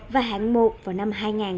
và hạng một vào năm hai nghìn một mươi năm